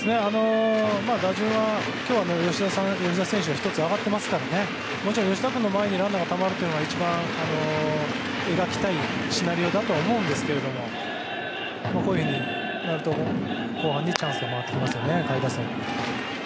打順は今日は吉田選手が１つ上がってましたんでもちろん吉田君の前にランナーがたまるのが一番描きたいシナリオだとは思うんですけど後半にチャンスが回ってきますね、下位打線。